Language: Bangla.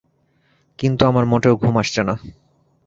কিন্তু আমার মোটেও ঘুম আসছে না।